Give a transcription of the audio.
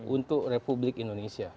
untuk republik indonesia